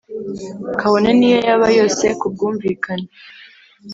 kabone niyo yaba yose kubwumvikane